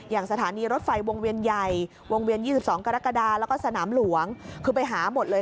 อย่างสถานีรถไฟวงเวียนใหญ่วงเวียน๒๒กรกฎาแล้วก็สนามหลวงคือไปหาหมดเลย